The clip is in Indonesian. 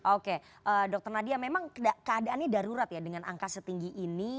oke dr nadia memang keadaannya darurat ya dengan angka setinggi ini